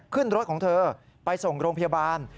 ขึ้นรถของเธอไปส่งโรงพยาบาล